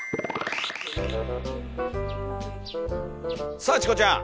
さあチコちゃん。